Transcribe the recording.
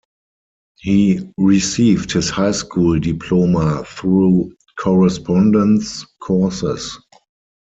He received his high school diploma through correspondence courses.